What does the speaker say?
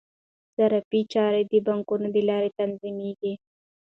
د صرافۍ چارې د بانکونو له لارې تنظیمیږي.